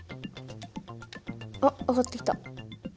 あっ上がってきた。